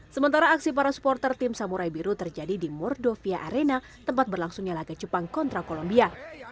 sementara aksi para supporter tim samurai biru terjadi di mordovia arena tempat berlangsungnya laga jepang kontra kolombia